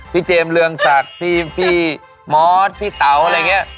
เจมส์เรืองศักดิ์พี่มอสพี่เต๋าอะไรอย่างนี้